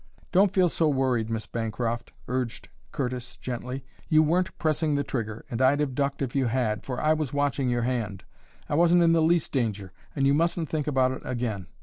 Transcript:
"Don't feel so worried, Miss Bancroft," urged Curtis, gently. "You weren't pressing the trigger, and I'd have ducked if you had, for I was watching your hand. I wasn't in the least danger, and you mustn't think about it again.